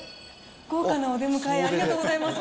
豪華なお出迎え、ありがとうございます。